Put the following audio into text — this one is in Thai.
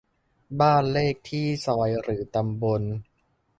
บ้านเลขที่ ซอย หรือตำบล